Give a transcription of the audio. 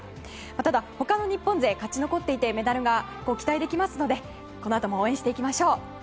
ただ他の日本勢は勝ち残っていてメダルが期待できますのでこのあとも応援していきましょう。